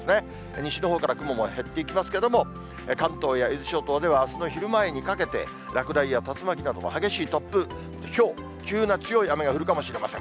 西のほうから雲も減っていきますけれども、関東や伊豆諸島ではあすの昼前にかけて、落雷や竜巻などの激しい突風、ひょう、急な強い雨が降るかもしれません。